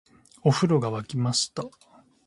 お風呂が湧きました